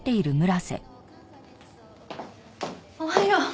おはよう。